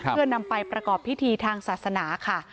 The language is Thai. เพื่อนำไปประกอบพิธีทางศาสนาค่ะ